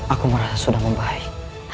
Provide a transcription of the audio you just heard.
aku merasa sudah membaik